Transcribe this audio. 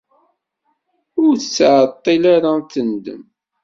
Ur tettεeṭṭil ara ad tendem.